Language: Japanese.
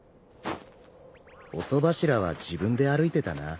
音柱は自分で歩いてたな。